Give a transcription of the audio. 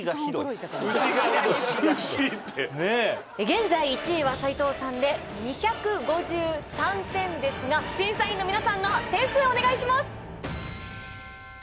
現在１位は才藤さんで２５３点ですが審査員の皆さんの点数お願いします。